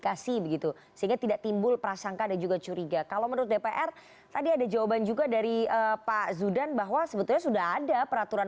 kasih begitu sehingga tidak timbul prasangka dan juga curiga kalau menurut dpr tadi ada jawaban juga dari pak zudan bahwa sebetulnya sudah ada peraturan